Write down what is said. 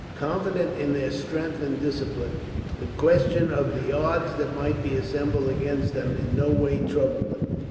Confident in their strength and discipline, the question of the odds that might be assembled against them in no way troubled them.